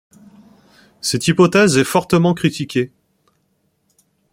Cette hypothèse est fortement critiquée.